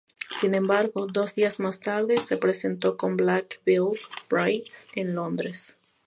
Sin embargo, dos días más tarde, se presentó con Black Veil Brides en Londres.